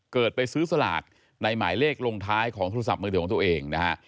ไปซื้อสลากในหมายเลขลงท้ายของโทรศัพท์มือถือของตัวเองนะฮะ